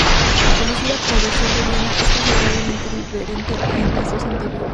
Conocida como "Versión de Viena", es considerablemente diferente de las dos anteriores.